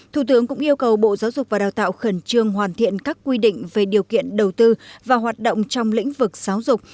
thủ tướng cũng yêu cầu bộ giáo dục và đào tạo khẩn trương hoàn thiện các quy định về điều kiện đầu tư và hoạt động trong lĩnh vực giáo dục